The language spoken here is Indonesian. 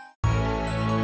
buka angin aja dulu